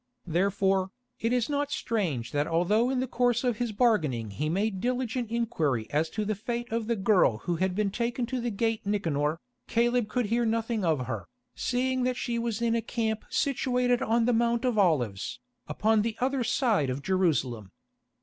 Therefore, it is not strange that although in the course of his bargaining he made diligent inquiry as to the fate of the girl who had been taken to the gate Nicanor, Caleb could hear nothing of her, seeing that she was in a camp situated on the Mount of Olives, upon the other side of Jerusalem.